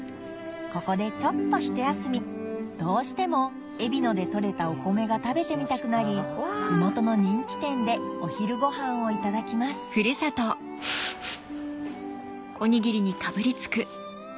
ここでちょっと一休みどうしてもえびので取れたお米が食べてみたくなり地元の人気店でお昼ご飯をいただきますフフフ。